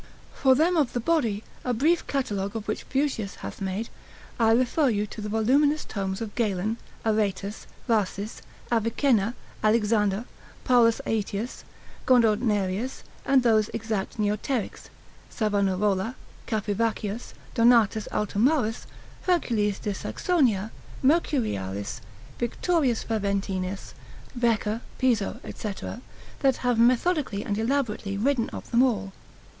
For them of the body, a brief catalogue of which Fuschius hath made, Institut. lib. 3, sect. 1, cap. 11. I refer you to the voluminous tomes of Galen, Areteus, Rhasis, Avicenna, Alexander, Paulus Aetius, Gordonerius: and those exact Neoterics, Savanarola, Capivaccius, Donatus Altomarus, Hercules de Saxonia, Mercurialis, Victorius Faventinus, Wecker, Piso, &c., that have methodically and elaborately written of them all.